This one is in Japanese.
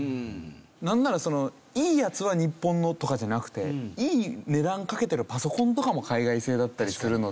なんなら「いいやつは日本の」とかじゃなくていい値段かけてるパソコンとかも海外製だったりするので。